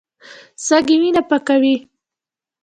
سږي وینه پاکوي.